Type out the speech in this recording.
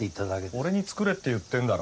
俺に作れって言ってんだろ？